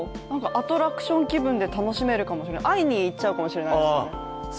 アトラクション気分で楽しめるかもしれない、会いに行っちゃうかもしれないですね。